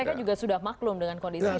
mereka juga sudah maklum dengan kondisi ini